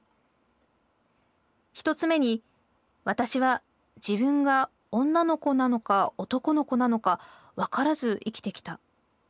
１つ目にわたしは自分が女の子なのか男の子なのかわからず生きてきた。